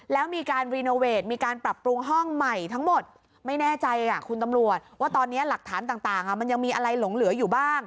แล้วมีการรีโนเวทมีการปรับปรุงห้องใหม่ทั้งหมดไม่แน่ใจคุณตำรวจว่าตอนนี้หลักฐานต่างมันยังมีอะไรหลงเหลืออยู่บ้าง